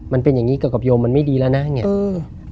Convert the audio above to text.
มันเป็นอย่างงี้กับกบโยมมันไม่ดีแล้วน่ะเนี้ยอืม